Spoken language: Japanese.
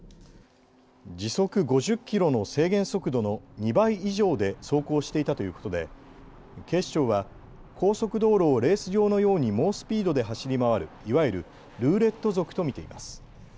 時速５０キロの制限速度の２倍以上で走行していたということで警視庁は高速道路をレース場のように猛スピードで走り回るいわゆるルーレット族と見ています。